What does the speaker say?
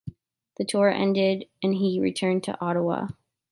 The tour ended and he returned to Ottawa.